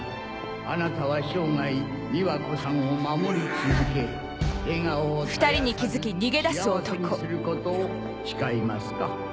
あなたは生涯美和子さんを守り続け笑顔を絶やさず幸せにすることを誓いますか？